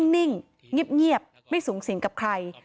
นิ่งเงียบไม่สูงสิงกับใคร